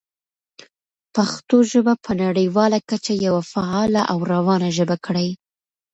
پښتو ژبه په نړیواله کچه یوه فعاله او روانه ژبه کړئ.